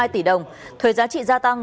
ba hai tỷ đồng thuế giá trị gia tăng